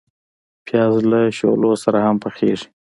پیاز له شولو سره هم پخیږي